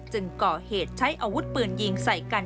ก่อเหตุใช้อาวุธปืนยิงใส่กัน